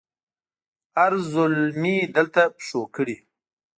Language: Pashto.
هر زلمي دلته پښو کړي